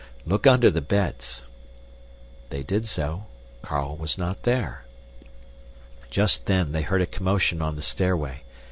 "Look under the beds." They did so. Carl was not there. Just then they heard a commotion on the stairway.